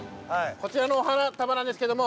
こちらのお花束なんですけども。